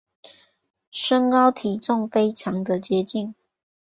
身高体重非常的接近